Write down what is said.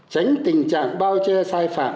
tránh tình trạng bao che sai phạm